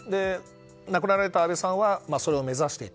亡くなられた安倍さんはそれを目指していた。